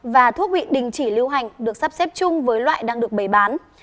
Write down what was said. và thuốc bị đình chỉ lưu hành được sắp xếp chung với loại đang được bày bán